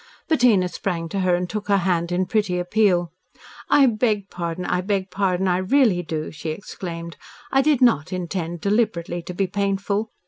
Bettina sprang to her and took her hand in pretty appeal. "I beg pardon! I beg pardon, I really do," she exclaimed. "I did not intend deliberately to be painful.